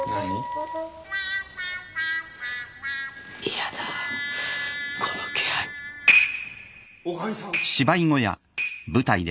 嫌だこの気配・女将さん